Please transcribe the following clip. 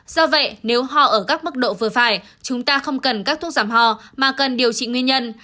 do vậy nếu ho ở các mức độ vừa phải chúng ta không cần các thuốc giảm hò mà cần điều trị nguyên nhân